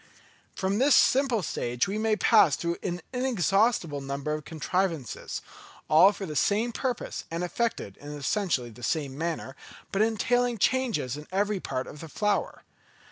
From this simple stage we may pass through an inexhaustible number of contrivances, all for the same purpose and effected in essentially the same manner, but entailing changes in every part of the flower.